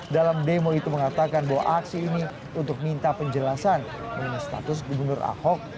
dalam demo itu mengatakan bahwa aksi ini untuk minta penjelasan mengenai status gubernur ahok